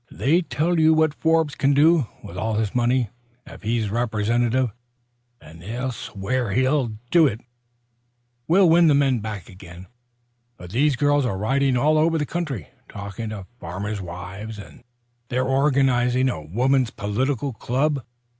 They tell what Forbes can do, with all his money, if he's Representative, and they swear he'll do it." "Never mind," said Hopkins, easily. "We'll win the men back again." "But these girls are riding all over the country, talking to farmers' wives, and they're organizing a woman's political club.